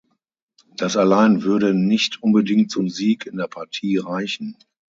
Das allein würde nicht unbedingt zum Sieg in der Partie reichen.